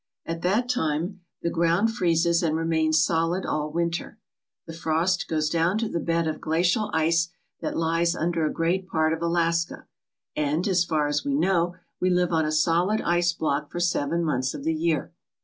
At that time the ground freezes and remains solid all winter. The frost goes down to the bed of glacial ice that lies under a great part of Alaska, and, as far as we know, we live on a solid ice block for seven months of the year.